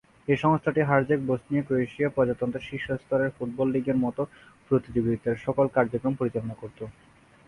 এই সংস্থাটি হার্জেগ-বসনিয়া ক্রোয়েশীয় প্রজাতন্ত্রের শীর্ষ স্তরের ফুটবল লীগের মতো প্রতিযোগিতার সকল কার্যক্রম পরিচালনা করতো।